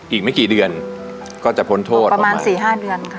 อีกไม่กี่เดือนก็จะพ้นโทษประมาณ๔๕เดือนค่ะ